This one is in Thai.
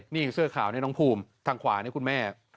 นี่เสื้อขาวนี่น้องภูมิทางขวานี่คุณแม่